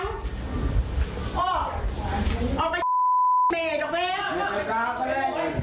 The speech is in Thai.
แรงไนไอมีแค่คนมังน่ะไม่ใช่มาที่มาที่ดาดาปะนี่